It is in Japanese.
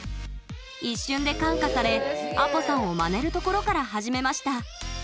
一瞬で感化されＡＰＯ＋さんをまねるところから始めました。